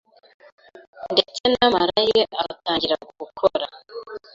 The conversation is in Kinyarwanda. ndetse n’amara ye agatangira gukora.